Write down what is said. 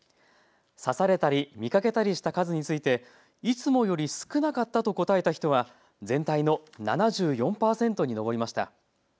刺されたり見かけたりした数について、いつもより少なかったと答えた人は全体の７４％に上りました。